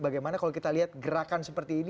bagaimana kalau kita lihat gerakan seperti ini